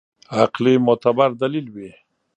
عقلي معتبر دلیل وي.